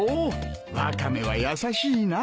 ワカメは優しいな。